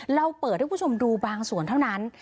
เราเปิดให้คุณผู้ชมดูบางส่วนเท่านั้น